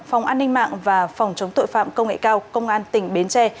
phòng an ninh mạng và phòng chống tội phạm công nghệ cao công an tỉnh bến tre